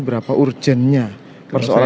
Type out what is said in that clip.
berapa urgennya persoalan ini